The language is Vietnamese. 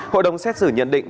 hội đồng xét xử nhận định